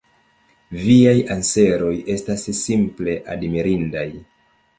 Viaj anseroj estas simple admirindaj.